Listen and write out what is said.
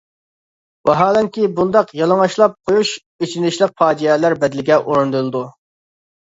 ۋاھالەنكى، بۇنداق يالىڭاچلاپ قويۇش ئېچىنىشلىق پاجىئەلەر بەدىلىگە ئورۇندىلىدۇ.